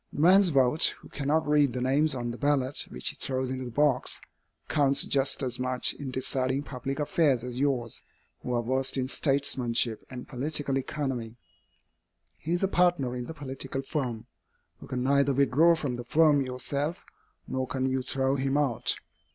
The man's vote, who cannot read the names on the ballot which he throws into the box, counts just as much in deciding public affairs as yours, who are versed in statesmanship and political economy. He is a partner in the political firm. You can neither withdraw from the firm yourself, nor can you throw him out.